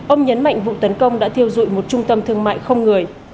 ông nhấn mạnh vụ tấn công đã thiêu dụi một trung tâm thương mại không người